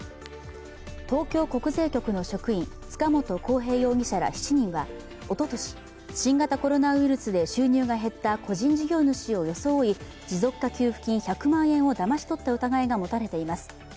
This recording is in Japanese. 東京国税局の職員、塚本晃平容疑者ら７人はおととし、新型コロナウイルスで収入が減った個人事業主を装い持続化給付金１００万円をだまし取った疑いが持たれています。